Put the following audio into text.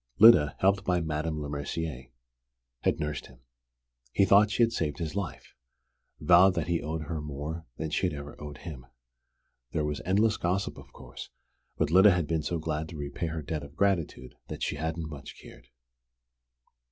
Lyda, helped by Madame Lemercier, had nursed him. He thought she had saved his life vowed that he owed her more than she had ever owed him. There was endless gossip, of course, but Lyda had been so glad to repay her debt of gratitude that she hadn't much cared.